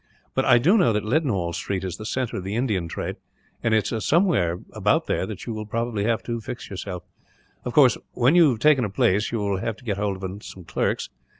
But I do know that Leadenhall Street is the centre of the Indian trade, and it's somewhere about there that you will have to fix yourself. "Of course, when you have taken a place, you will have to get hold of some clerks.